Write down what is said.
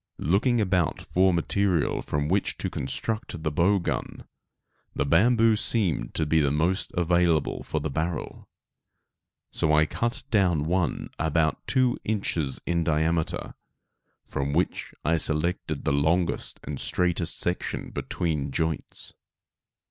Looking about for material from which to construct the bow gun, the bamboo seemed to be the most available for the barrel; so I cut down one about two inches in diameter, from which I selected the longest and straightest section between the joints.